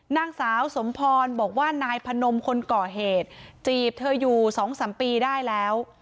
นางสาวสมพรบอกว่านายพนมคนก่อเหตุจีบเธออยู่๒๓ปีได้แล้ว